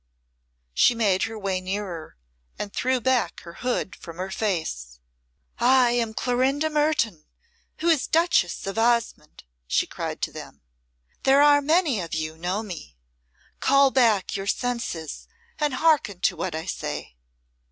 She made her way nearer and threw back her hood from her face. "I am Clorinda Mertoun, who is Duchess of Osmonde," she cried to them. "There are many of you know me. Call back your senses, and hearken to what I say."